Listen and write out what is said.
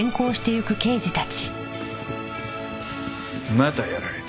またやられた。